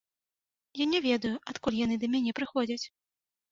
Я не ведаю, адкуль яны да мяне прыходзяць.